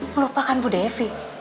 ngelupakan bu devi